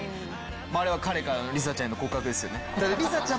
あれは彼からのりさちゃんへの告白ですよね。